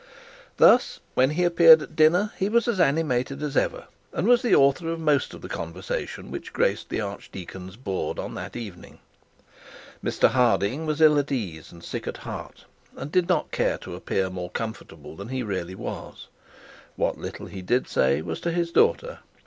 Thus when he appeared at dinner he was as animated as ever, and was the author of most of the conversation which graced the archdeacon's board on that evening. Mr Harding was ill at ease and sick at heart, and did not care to appear more comfortable than he really was; what little he did say was said to his daughter.